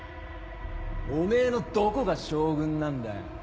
おめぇのどこが将軍なんだよ？